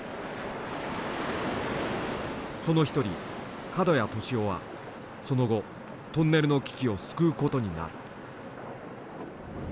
その一人角谷敏雄はその後トンネルの危機を救うことになる。